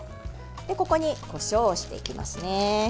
ここにこしょうをしていきますね。